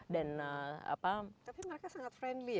tapi mereka sangat friendly ya